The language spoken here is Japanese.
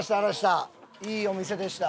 いいお店でした。